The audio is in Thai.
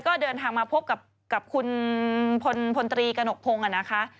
ก็เดินทางมาพบกับคุณพลตรีกระหนกพงศ์นะคะ